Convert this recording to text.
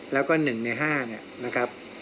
แล้วก็๑ใน๕นะครับ